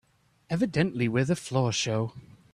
Evidently we're the floor show.